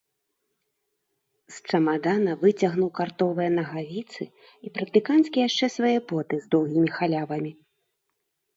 З чамадана выцягнуў картовыя нагавіцы і практыканцкія яшчэ свае боты з доўгімі халявамі.